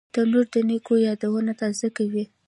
تنور د نیکو یادونه تازه کوي